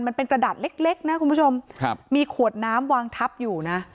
มันเป็นกระดาษเล็กเล็กนะคุณผู้ชมครับมีขวดน้ำวางทับอยู่นะ